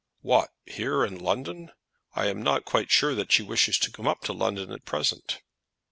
"What, here, in London? I am not quite sure that she wishes to come up to London at present."